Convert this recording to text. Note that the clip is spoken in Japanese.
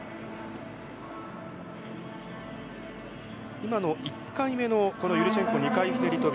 今の１回目のユルチェンコ２回ひねり跳び